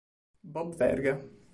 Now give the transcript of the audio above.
Bob Verga